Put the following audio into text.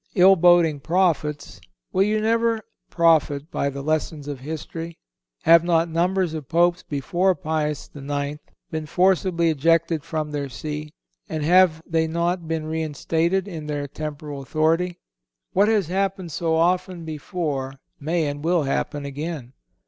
Ill boding prophets, will you never profit by the lessons of history? Have not numbers of Popes before Pius IX. been forcibly ejected from their See, and have they not been reinstated in their temporal authority? What has happened so often before may and will happen again.